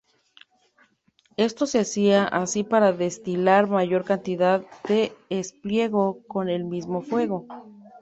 Esto se hacía así para destilar mayor cantidad de espliego con el mismo fuego.